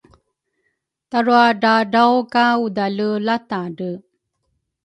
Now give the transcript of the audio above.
taruadraadraw ka udale latadre